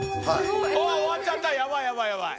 ああ終わっちゃったやばいやばいやばい。